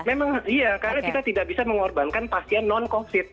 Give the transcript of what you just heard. memang iya karena kita tidak bisa mengorbankan pasien non covid